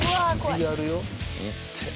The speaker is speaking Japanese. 首やるよ。